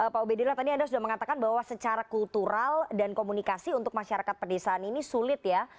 pak ubedillah tadi anda sudah mengatakan bahwa secara kultural dan komunikasi untuk masyarakat pedesaan ini sulit ya